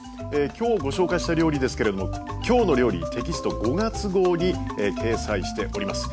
今日ご紹介した料理ですけれども「きょうの料理」テキスト５月号に掲載しております。